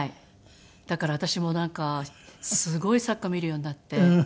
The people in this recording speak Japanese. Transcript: だから私もすごいサッカー見るようになって。